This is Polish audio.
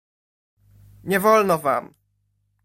"Nie wolno wam!"